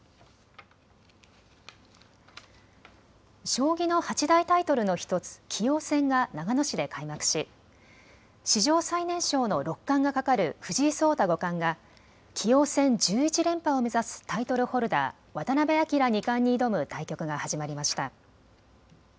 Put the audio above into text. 将棋の八大タイトルの１つ棋王戦が長野市で開幕し史上最年少の六冠がかかる藤井聡太五冠が棋王戦１１連覇を目指すタイトルホルダー、渡辺明二冠に挑む対局が始まりました。